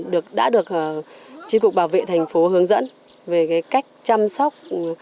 đã được chính cục bảo vệ thành phố hướng dẫn về cách chăm sóc